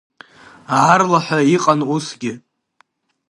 Аарлаҳәа иҟан усгьы.